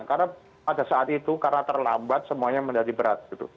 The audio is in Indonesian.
karena pada saat itu karena terlambat semuanya menjadi berat